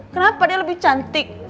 kenapa dia lebih cantik